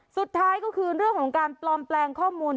สุดท้ายก็คือเรื่องของการปลอมแปลงข้อมูล